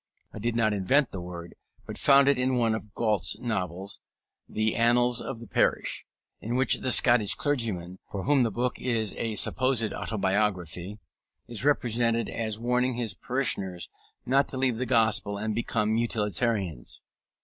I did not invent the word, but found it in one of Galt's novels, the Annals of the Parish, in which the Scotch clergyman, of whom the book is a supposed autobiography, is represented as warning his parishioners not to leave the Gospel and become utilitarians.